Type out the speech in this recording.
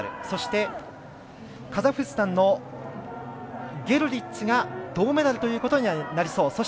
そして、カザフスタンのゲルリッツが銅メダルということにはなりそう。